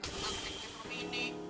atau pake kem ini